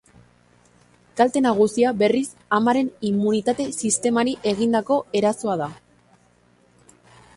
Kalte nagusia, berriz, amaren immunitate-sistemari egindako erasoa da.